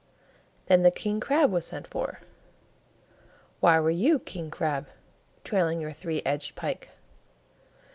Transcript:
Then the King crab was sent for. "Why were you, King crab, trailing your three edged pike?"